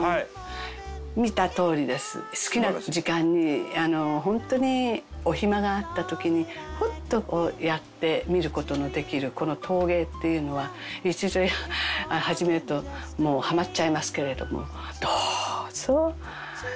好きな時間にホントにお暇があった時にふっとこうやって見る事のできるこの陶芸っていうのは一度始めるともうハマっちゃいますけれども。